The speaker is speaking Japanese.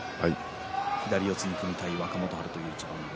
左四つに組みたい若元春という一番。